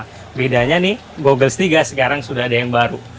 goggles tiga ini goggles tiga sekarang sudah ada yang baru